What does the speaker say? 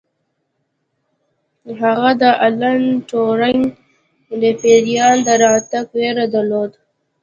هغه د الن ټورینګ د پیریان د راتګ ویره درلوده